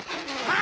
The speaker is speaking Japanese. あ！